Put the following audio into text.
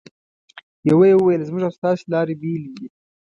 یوه یې وویل: زموږ او ستاسې لارې بېلې دي.